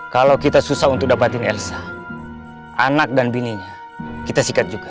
kalau kita susah untuk dapatin elsa anak dan bininya kita sikat juga